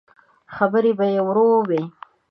خبرې به يې ورو وې.